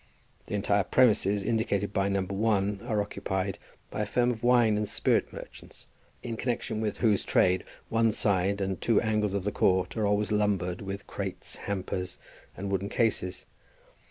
The entire premises indicated by No. 1, are occupied by a firm of wine and spirit merchants, in connexion with whose trade one side and two angles of the court are always lumbered with crates, hampers, and wooden cases.